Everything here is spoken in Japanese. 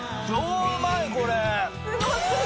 すご過ぎ。